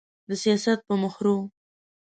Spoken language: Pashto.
د سياست په مخورو